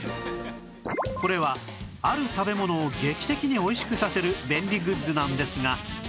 これはある食べ物を劇的においしくさせる便利グッズなんですが